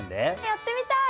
やってみたい！